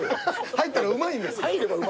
入ったらうまいんですから。